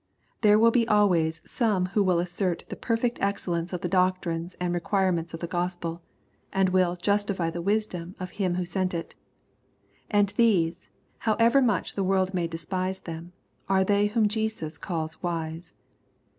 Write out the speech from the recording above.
There will be always some who will assert the perfect excellence of the doctrines and requirements of the Gospel, and will "justify the wisdom" of Him who sent it. And these, however much the world may despise them, are they whom Jesus calls wise.